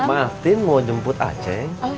maaf mau jemput aceng